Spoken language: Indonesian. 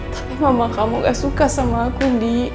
tapi mama kamu gak suka sama aku di